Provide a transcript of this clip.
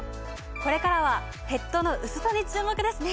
これからはヘッドの薄さに注目ですね！